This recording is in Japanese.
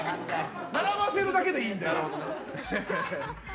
並ばせるだけでいいので。